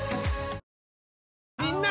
みんな！